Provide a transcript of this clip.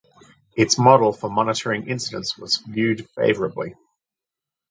Its model for monitoring incidents was viewed favourably.